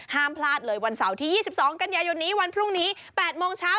ห้ามพลาดเลยวันเสาร์ที่๒๒กันยายนนี้วันพรุ่งนี้๘โมงเช้า